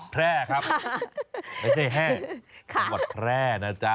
แพร่ครับไม่ใช่แห้จังหวัดแพร่นะจ๊ะ